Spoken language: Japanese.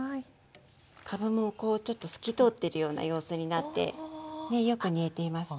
かぶもこうちょっと透き通ってるような様子になってねよく煮えていますね。